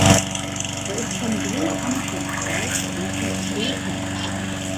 Er ist vom Grund an verzweigt und hat Blätter.